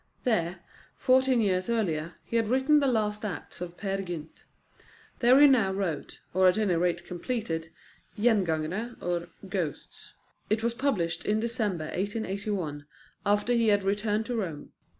There, fourteen years earlier, he had written the last acts of Peer Gynt; there he now wrote, or at any rate completed, Gengangere. It was published in December 1881, after he had returned to Rome.